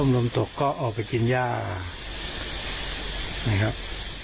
นี่ครับ